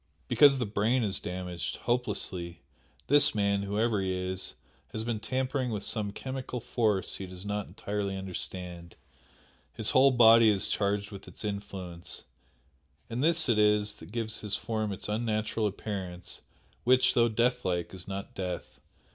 "Because the brain is damaged hopelessly! This man whoever he is has been tampering with some chemical force he does not entirely understand, his whole body is charged with its influence, and this it is that gives his form its unnatural appearance which, though death like, is not death.